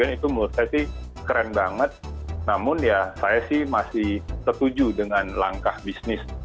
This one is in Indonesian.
itu menurut saya sih keren banget namun ya saya sih masih setuju dengan langkah bisnis